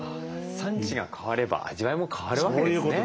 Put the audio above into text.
産地が変われば味わいも変わるわけですね。